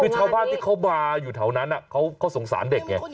ชาวบ้านที่เขามาอยู่ถ้าวนั้นเขาสงสารเด็กนี่